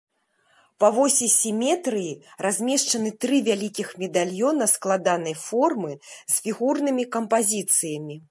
Па восі сіметрыі размешчаны тры вялікіх медальёна складанай формы з фігурнымі кампазіцыямі.